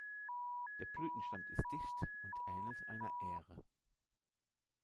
Der Blütenstand ist dicht und ähnelt einer Ähre.